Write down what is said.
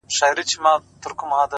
o پر دې گناه خو ربه راته ثواب راکه ـ